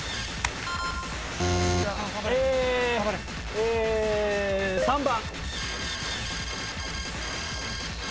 え３番。